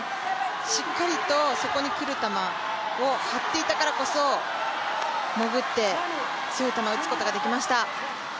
しっかりとそこに来る球をはっていたからこそ、もぐって強い球を打つことができました。